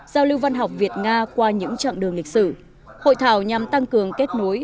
giao lưu văn học việt nga qua những chặng đường lịch sử hội thảo nhằm tăng cường kết nối